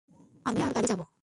আমি আর গ্যারি যাবো।